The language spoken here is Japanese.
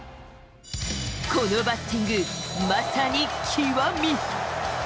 このバッティング、まさに極み。